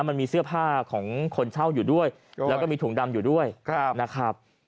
มันมีเสื้อผ้าของคนเช่าอยู่ด้วยแล้วก็มีถุงดำอยู่ด้วยนะครับ